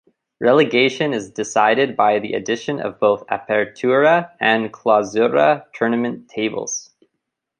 Relegation is decided by the addition of both "apertura" and "clausura" tournament tables.